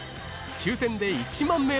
抽選で１万名様に！